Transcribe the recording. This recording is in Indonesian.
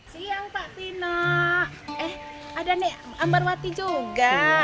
siang pak fina eh ada nih ambarwati juga